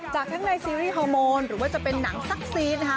จากทั้งในซีรีส์ฮอร์โมนหรือว่าจะเป็นหนังซักซีดนะคะ